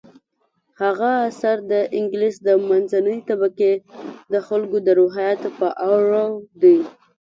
هغه اثر د انګلیس د منځنۍ طبقې د خلکو د روحیاتو په اړه دی.